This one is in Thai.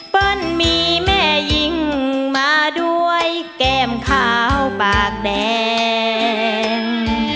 เปิ้ลมีแม่หญิงมาด้วยแก้มขาวปากแดง